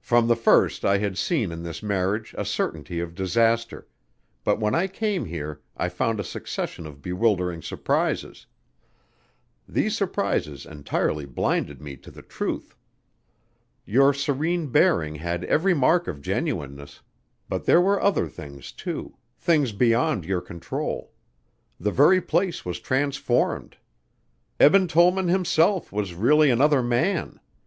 "From the first I had seen in this marriage a certainty of disaster ... but when I came here I found a succession of bewildering surprises. These surprises entirely blinded me to the truth. Your serene bearing had every mark of genuineness, but there were other things, too things beyond your control. The very place was transformed. Eben Tollman himself was really another man.